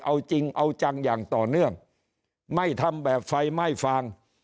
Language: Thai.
เอาจริงเอาจังอย่างต่อเนื่องไม่ทำแบบไฟไหม้ฟาง